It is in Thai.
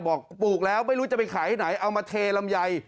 ปลูกแล้วไม่รู้จะไปขายที่ไหนเอามาเทลำไย